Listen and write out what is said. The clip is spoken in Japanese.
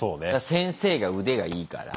先生が腕がいいから。